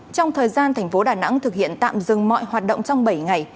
trong thời gian tp đà nẵng thực hiện tạm dừng mọi hoạt động trong bảy ngày